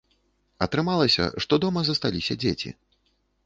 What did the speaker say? Атрымалася, што дома засталіся дзеці.